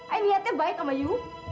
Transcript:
eh niatnya baik sama yu